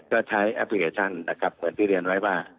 ก็ใช้แอปพลิเคชันนะครับเหมือนที่เรียนไว้ว่า